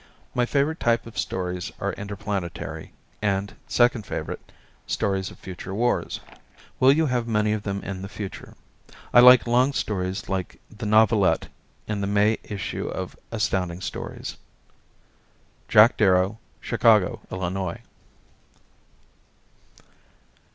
My favorite type of stories are interplanetary, and, second favorite, stories of future wars. Will you have many of them in the future? I like long stories like the novelette in the May issue of Astounding Stories Jack Darrow, 4225 N. Spaulding Ave., Chicago, Illinois.